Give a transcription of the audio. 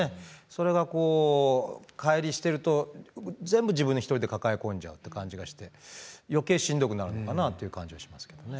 それが、かい離していると全部自分１人で抱え込んじゃう感じがして、よけいしんどくなるのかなという感じがしますね。